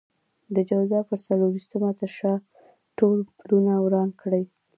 د جوزا پر څلور وېشتمه تر شا ټول پلونه وران کړئ.